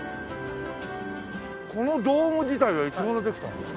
このドーム自体はいつ頃できたんですか？